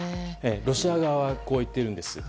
ロシア側はこう言っているんです。